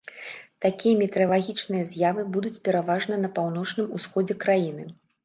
Такія метэаралагічныя з'явы будуць пераважна на паўночным усходзе краіны.